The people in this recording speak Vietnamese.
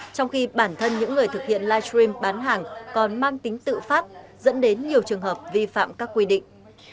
trong khi bản thân những người thực hiện livestream bán hàng còn mang tính tự phát dẫn đến nhiều trường hợp vi phạm các quy định